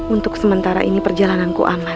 untuk sementara ini perjalananku aman